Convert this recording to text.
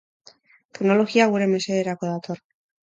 Teknologia gure mesederako dator.